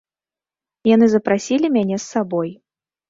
Яны запрасілі мяне з сабой.